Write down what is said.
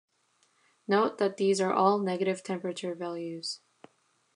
Note that these are all negative temperature values.